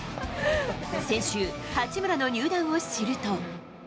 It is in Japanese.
先週、八村の入団を知ると。